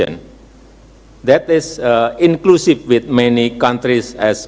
itu sama seperti dalam banyak negara